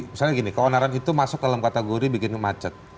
misalnya gini keonaran itu masuk dalam kategori bikin macet